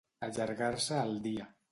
Allargar-se el dia.